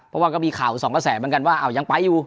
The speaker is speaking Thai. เพราะว่าก็มีข่าวสองกระแสเหมือนกันว่ายังไปอยู่